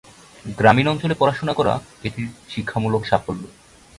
গ্রামীণ অঞ্চলে পড়াশোনা করা এটির শিক্ষামূলক সাফল্য।